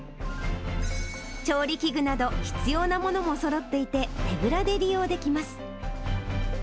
調理器具など、必要なものもそろっていて、手ぶらで利用できます。